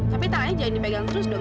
tapi tangannya jangan dipegang terus dong